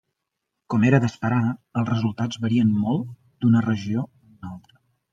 Com era d'esperar, els resultats varien molt d'una regió a una altra.